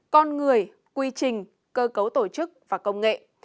con người quy trình cơ cấu tổ chức và công nghệ